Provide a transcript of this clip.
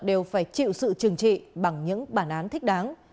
đều phải chịu sự trừng trị bằng những bản án thích đáng